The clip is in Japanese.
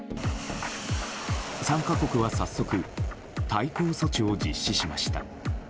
３か国は早速対抗措置を実施しました。